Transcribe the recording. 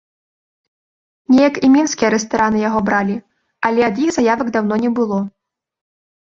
Неяк і мінскія рэстараны яго бралі, але ад іх заявак даўно не было.